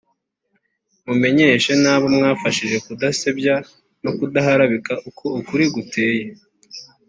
c) Mumenyeshe n’abo mwafashije kudusebya no kuduharabika uko ukuri guteye